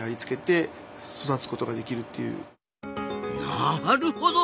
なるほど！